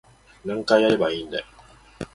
何回やればいいんだい